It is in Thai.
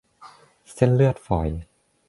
เส้นเลือดฝอย